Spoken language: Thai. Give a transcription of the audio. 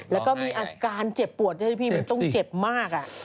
แล้วก็มีอาการเจ็บปวดด้วยพี่มันต้องเจ็บมาก